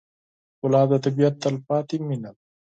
ګلاب د طبیعت تلپاتې مینه ده.